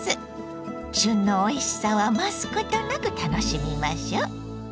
旬のおいしさを余すことなく楽しみましょ。